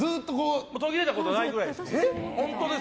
途切れたことないくらいです。